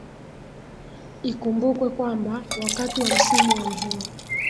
Ikumbukwe kwamba wakati wa msimu wa mvua